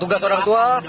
tugas orang tua